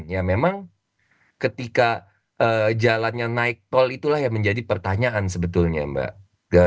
ya memang ketika jalannya naik tol itulah yang menjadi pertanyaan sebetulnya mbak